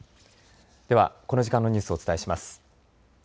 では、この時間のニュースをお伝えします。